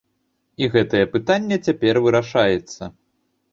І гэтае пытанне цяпер вырашаецца.